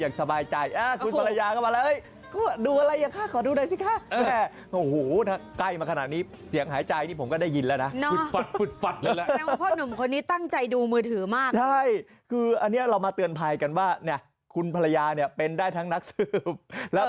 เย้ซะแดงว่าข้อมูลอะไรที่เป็นหรักฐานนี้คือถูกทำลายทิ้งแล้ว